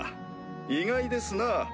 意外ですな。